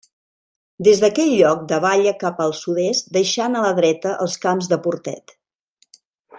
Des d'aquell lloc davalla cap al sud-est, deixant a la dreta els Camps de Portet.